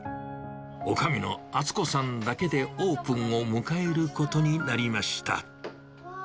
おかみの温子さんだけでオープンを迎えることになりました。